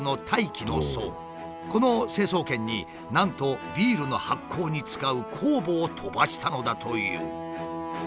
この成層圏になんとビールの発酵に使う酵母を飛ばしたのだという。